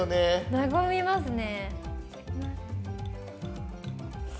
和みますね。